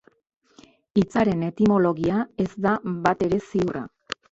Hitzaren etimologia, ez da batere ziurra.